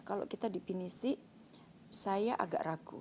kalau kita di pinisi saya agak ragu